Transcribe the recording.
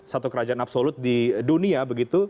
satu kerajaan absolut di dunia begitu